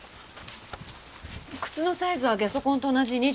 靴のサイズはゲソ痕と同じ２６センチ。